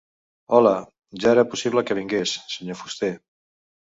Hola, ja era possible que vingués, senyor fuster.